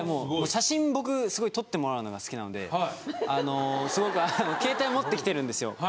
写真僕すごい撮ってもらうのが好きなのであのすごくあの携帯持ってきてるんですよ。